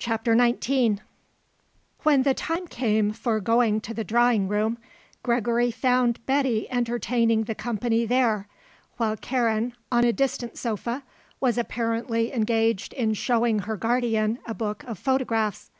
CHAPTER XIX When the time came for going to the drawing room, Gregory found Betty entertaining the company there, while Karen, on a distant sofa, was apparently engaged in showing her guardian a book of photographs.